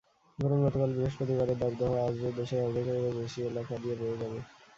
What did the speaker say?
বরং গতকাল বৃহস্পতিবারের দাবদাহ আজও দেশের অর্ধেকেরও বেশি এলাকা দিয়ে বয়ে যাবে।